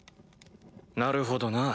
なるほどな。